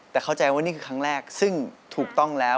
แต่เข้าใจว่านี่คือครั้งแรกซึ่งถูกต้องแล้ว